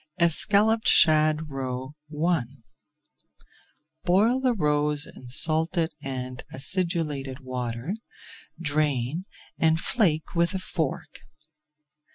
ESCALLOPED SHAD ROE I Boil the roes in salted and acidulated water, drain, and flake with a fork.